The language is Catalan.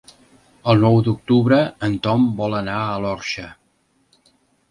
El nou d'octubre en Tom vol anar a l'Orxa.